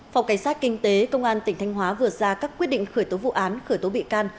phòng cảnh sát kinh tế công an tỉnh thanh hóa vừa ra các quyết định khởi tố vụ án khởi tố bị can